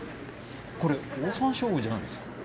これオオサンショウウオじゃないんですか？